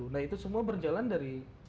nah itu semua berjalan dari